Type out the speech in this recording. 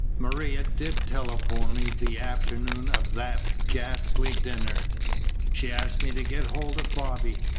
Maria did telephone me the afternoon of that ghastly dinner. She asked me to get hold of Bobby.